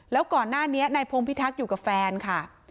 แล้วก่อนหน้านี้นายพงพิทักษ์อยู่กับแฟนค่ะ